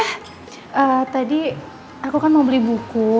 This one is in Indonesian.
ya tadi aku kan mau beli buku